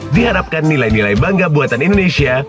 diharapkan nilai nilai bangga buatan indonesia